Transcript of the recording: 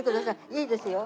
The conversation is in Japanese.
いいですよ。